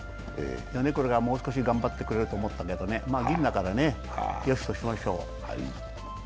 米倉がもうちょっと頑張ってくれると思ったけどね、銀だからよしとしましょう。